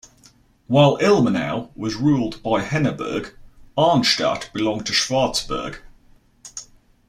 While Ilmenau was ruled by Henneberg, Arnstadt belonged to Schwarzburg.